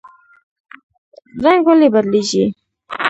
رنګ ولې بدلیږي؟